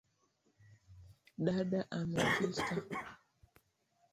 Dada amefika.